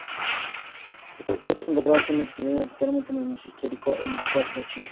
Los objetos encontrados son exhibidos actualmente en el Museo Histórico y Militar de Chile.